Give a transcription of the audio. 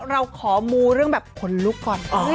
เราขอมูเรื่องแบบขนลุกก่อน